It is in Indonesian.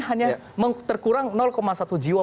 hanya terkurang satu jiwa